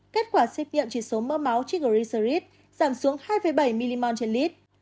kết quả xét nghiệm trí số mỡ máu triglycerides giảm xuống hai bảy mg một lít